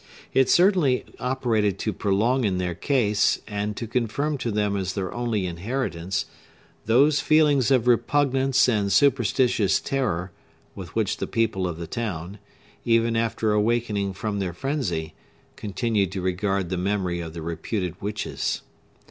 It certainly operated to prolong in their case, and to confirm to them as their only inheritance, those feelings of repugnance and superstitious terror with which the people of the town, even after awakening from their frenzy, continued to regard the memory of the reputed witches.